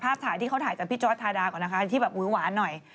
จะแสดงภาพถ่ายที่เค้าถ่ายกับพี่จ๊อตทาดาก่อนนะคะที่แบบอุ๊ยหวานหน่อย